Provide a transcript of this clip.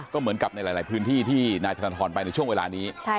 ก็เหมือนกับในหลายพื้นที่ที่นายธนทรไปในช่วงเวลานี้